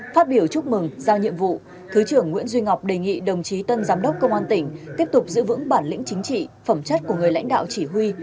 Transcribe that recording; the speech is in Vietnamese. phát biểu chúc mừng giao nhiệm vụ thứ trưởng nguyễn duy ngọc đề nghị đồng chí tân giám đốc công an tỉnh tiếp tục giữ vững bản lĩnh chính trị phẩm chất của người lãnh đạo chỉ huy